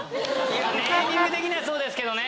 ネーミング的にはそうですけどね。